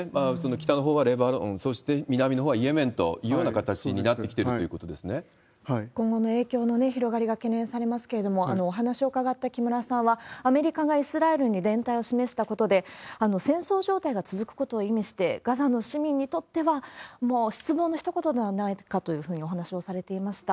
北のほうはレバノン、そして南のほうはイエメンというような形に今後の影響の広がりが懸念されますけれども、お話を伺った木村さんは、アメリカがイスラエルに連帯を示したことで、戦争状態が続くことを意味して、ガザの市民にとっては、もう失望の一言ではないかというふうにお話をされていました。